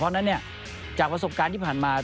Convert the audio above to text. เพราะฉะนั้นจากประสบการณ์ที่ผ่านมา